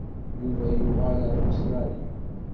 Yuba yuɣal ar Ustṛalya.